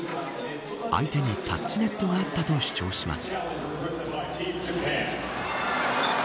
相手にタッチネットがあったと主張します。